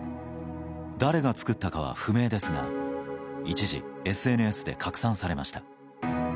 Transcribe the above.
誰が作ったかは不明ですが一時ＳＮＳで拡散されました。